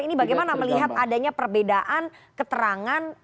ini bagaimana melihat adanya perbedaan keterangan